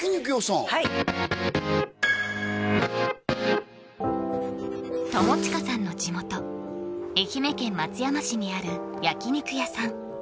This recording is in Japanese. はい友近さんの地元愛媛県松山市にある焼肉屋さん